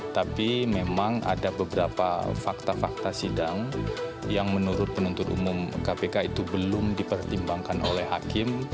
tapi memang ada beberapa fakta fakta sidang yang menurut penuntut umum kpk itu belum dipertimbangkan oleh hakim